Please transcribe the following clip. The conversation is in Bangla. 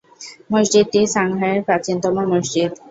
মসজিদটি সাংহাইয়ের প্রাচীনতম মসজিদ।